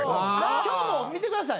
今日も見てください。